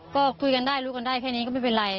ก็คุยกันได้รู้กันได้แค่นี้ก็ไม่เป็นไร